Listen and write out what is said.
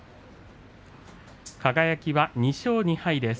輝は２勝２敗です。